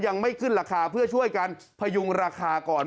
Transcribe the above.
ยังไม่ขึ้นราคาเพื่อช่วยกันพยุงราคาก่อน